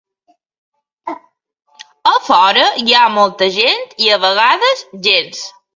A fora hi ha molta gent, i a vegades, gens.